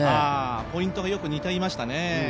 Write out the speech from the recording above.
ポイントがよく似ていましたね。